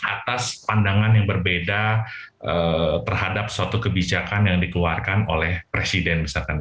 atas pandangan yang berbeda terhadap suatu kebijakan yang dikeluarkan oleh presiden misalkan